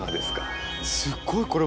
すごい。